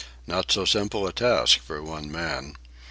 Not so simple a task for one man.